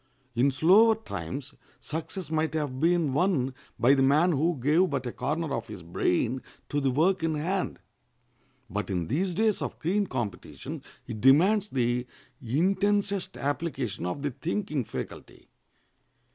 In slower times success might have been won by the man who gave but a corner of his brain to the work in hand, but in these days of keen competition it demands the intensest application of the thinking faculty.